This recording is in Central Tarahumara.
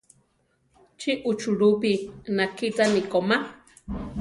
Chi uchulúpi nakíchani komá?